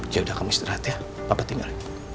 ya udah kamu istirahat ya bapak tinggal